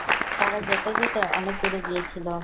তারা যেতে যেতে অনেক দূরে গিয়েছিল।